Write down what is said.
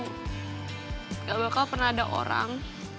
nggak bakal pernah ada orang